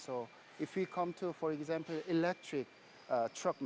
jika kita mencari contohnya